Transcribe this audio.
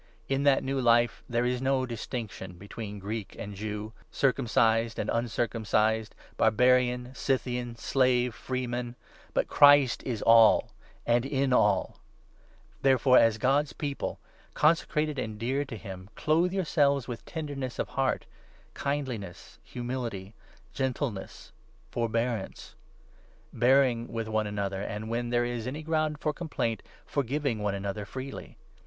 In u that new life there is no distinction between Greek and Jew, circumcised and uncircumcised, barbarian, Scythian, slave, freeman ; but Christ is all !— and in all ! Therefore, as God's People, consecrated and dear to him, 12 clothe yourselves with tenderness of heart, kindliness, humility, gentleness, forbearance ; bearing with one another, and,. when 13 there is any ground for complaint, forgiving one another freely.